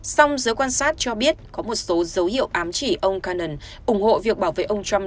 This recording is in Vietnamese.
song giới quan sát cho biết có một số dấu hiệu ám chỉ ông karann ủng hộ việc bảo vệ ông trump